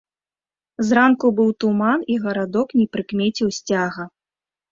Зранку быў туман, і гарадок не прыкмеціў сцяга.